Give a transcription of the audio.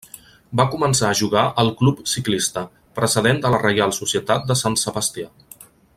Va començar a jugar al Club Ciclista, precedent de la Reial Societat de Sant Sebastià.